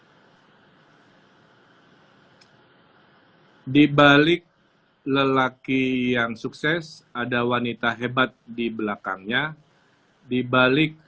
hai dibalik lelaki yang sukses ada wanita hebat di belakangnya dibalik